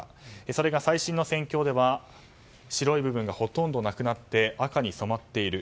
それが最新の戦況では白い部分がほとんどなくなって赤に染まっている。